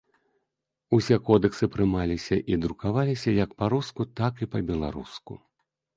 Усе кодэксы прымаліся і друкаваліся як па-руску, так і па-беларуску.